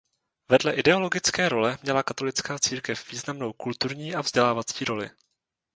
Vedle ideologické role měla katolická církev významnou kulturní a vzdělávací roli.